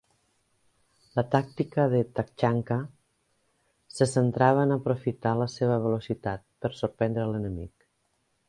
La tàctica de Tachanka se centrava en aprofitar la seva velocitat per sorprendre l'enemic.